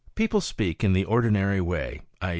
People speak in the ordinary way, i.